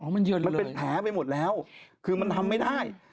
อ๋อมันเยินเลยคือมันทำไม่ได้มันเป็นแผลไปหมดแล้ว